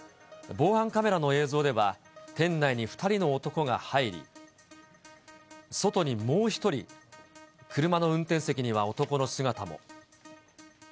防犯カメラの映像では、店内に２人の男が入り、外にもう１人、車の運転席には男の姿も。